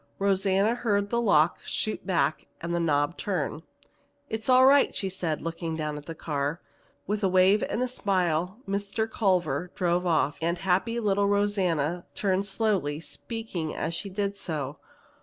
Rosanna heard the lock shoot back and the knob turn. "It's all right," she said, looking down at the car. With a wave and a smile Mr. Culver drove off, and happy little Rosanna turned slowly, speaking as she did so.